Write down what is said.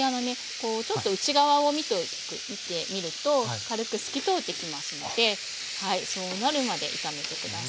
こうちょっと内側を見てみると軽く透き通ってきますのではいそうなるまで炒めて下さい。